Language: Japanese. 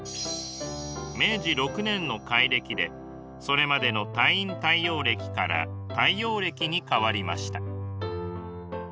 明治６年の改暦でそれまでの太陰太陽暦から太陽暦に変わりました。